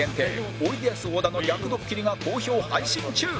おいでやす小田の逆ドッキリが好評配信中！